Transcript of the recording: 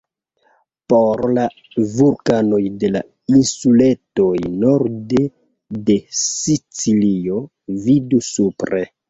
Por la vulkanoj de la insuletoj norde de Sicilio, vidu supre.